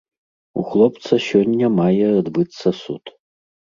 У хлопца сёння мае адбыцца суд.